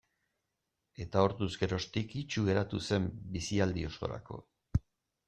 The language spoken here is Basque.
Eta orduz geroztik itsu geratu zen bizialdi osorako.